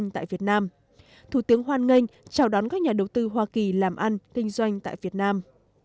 tại việt nam thủ tướng hoan nghênh chào đón các nhà đầu tư hoa kỳ làm ăn kinh doanh tại việt nam